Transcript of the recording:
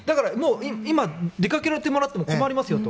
今、出かけられてもらっても困りますよと。